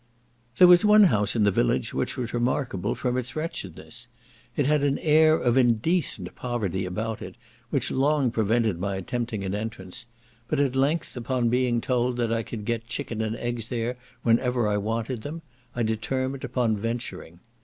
There was one house in the village which was remarkable from its wretchedness. It had an air of indecent poverty about it, which long prevented my attempting an entrance; but at length, upon being told that I could get chicken and eggs there whenever I wanted them, I determined upon venturing.